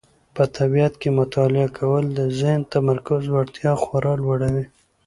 په طبیعت کې مطالعه کول د ذهن د تمرکز وړتیا خورا لوړوي.